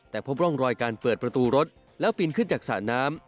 แต่พบร่องรอยการเปิดประตูรถแล้วปีนขึ้นจากสระน้ำ